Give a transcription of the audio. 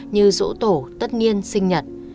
như rỗ tổ tất nhiên sinh nhật